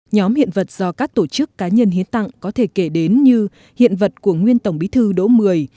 nhóm hiện vật do các tổ chức cá nhân hiến tặng có thể kể đến như hiện vật của nguyên tổng bí thư đỗ mười